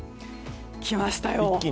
来ましたよ。